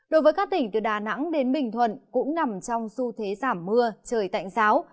đối với các tỉnh từ đà nẵng đến bình thuận cũng nằm trong xu thế giảm mưa trời tạnh giáo